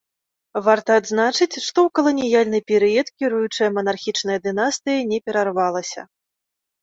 Варта адзначыць, што ў каланіяльны перыяд кіруючая манархічная дынастыя не перарвалася.